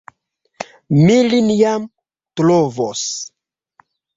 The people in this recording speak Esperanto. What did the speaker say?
Mi lin jam trovos!